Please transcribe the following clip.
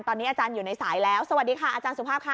ตอนนี้อาจารย์อยู่ในสายแล้วสวัสดีค่ะอาจารย์สุภาพค่ะ